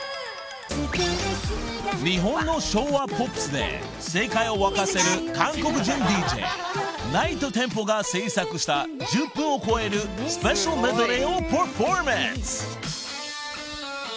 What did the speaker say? ［日本の昭和ポップスで世界を沸かせる韓国人ＤＪＮｉｇｈｔＴｅｍｐｏが制作した１０分を超えるスペシャルメドレーをパフォーマンス］